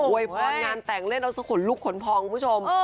วยพรงานแต่งเล่นเอาสักขนลุกขนพองคุณผู้ชม